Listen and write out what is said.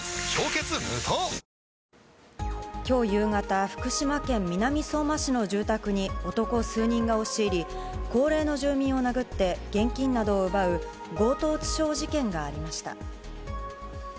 きょう夕方、福島県南相馬市の住宅に男数人が押し入り、高齢の住民を殴って現金などを奪う強盗致傷事件がありました。